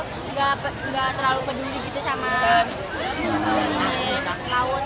nggak terlalu peduli gitu sama laut